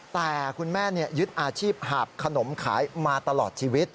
แต่คุณแม่ยึดอาชีพหาบขนมขายมาตลอดชีวิต